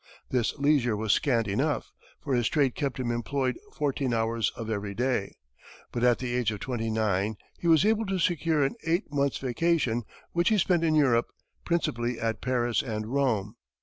This leisure was scant enough, for his trade kept him employed fourteen hours of every day; but at the age of twenty nine he was able to secure an eight months' vacation, which he spent in Europe, principally at Paris and Rome.